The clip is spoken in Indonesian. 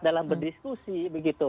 dalam berdiskusi begitu